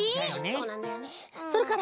そうなんだよね。